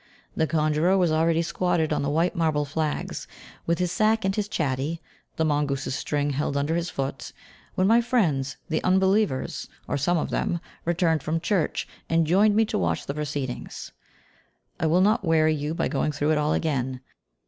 The conjurer was already squatted on the white marble flags, with his sack and his chatty (the mongoose's string held under his foot), when my friends, the unbelievers, or some of them, returned from church, and joined me to watch the proceedings. I will not weary you by going through it all again.